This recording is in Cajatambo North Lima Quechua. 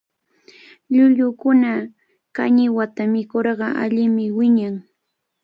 Llullukuna kañiwata mikurqa allimi wiñan.